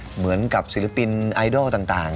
เหมือนกับศิลปินไอดอลต่าง